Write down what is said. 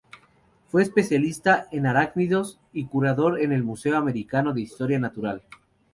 Fue especialista en arácnidos, y curador en el Museo Americano de Historia Natural.